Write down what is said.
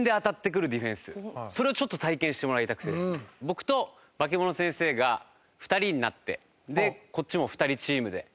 僕とバケモン先生が２人になってでこっちも２人チームで。